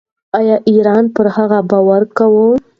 ایا ایرانیان پر هغه باور کوي؟